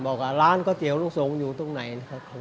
บอกว่าร้านก๋อเตี๋ยวลูกสงฆ์อยู่ตรงไหน